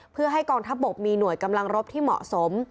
เพื่อให้กองทัพบกมีหน่วยกำลังรบที่เหมาะสม